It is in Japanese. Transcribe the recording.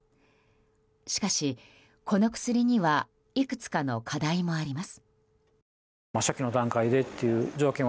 しかし、この薬にはいくつかの課題もあります。